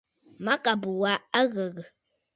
Mâkàbə̀ wa a ghə̀gə̀.